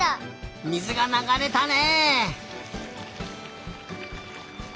水がながれたね！